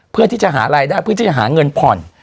เพื่อที่จะหารายได้เพื่อที่จะหาเงินผ่อน